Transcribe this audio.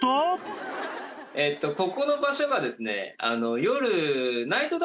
ここの場所がですね夜。